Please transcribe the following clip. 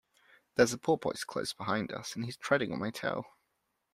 There’s a porpoise close behind us, and he’s treading on my tail.